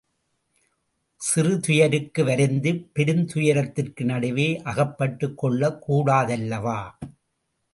சிறு துயருக்கு வருந்திப் பெருந் துயரத்திற்கு நடுவே அகப்பட்டுக் கொள்ளக் கூடாதல்லவா?